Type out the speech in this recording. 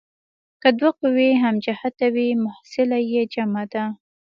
که دوه قوې هم جهته وي محصله یې جمع ده.